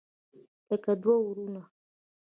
لکه دوه ورونه.